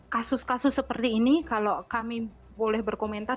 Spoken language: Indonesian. kasus kasus seperti ini kalau kami boleh berkomentar